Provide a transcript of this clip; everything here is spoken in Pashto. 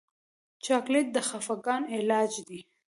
چاکلېټ د خفګان علاج دی.